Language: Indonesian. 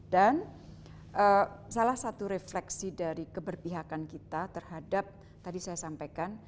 dan salah satu refleksi dari keberpihakan kita terhadap tadi saya sampaikan